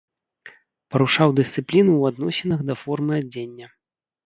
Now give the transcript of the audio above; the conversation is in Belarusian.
Парушаў дысцыпліну ў адносінах да формы адзення.